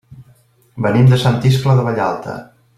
Venim de Sant Iscle de Vallalta.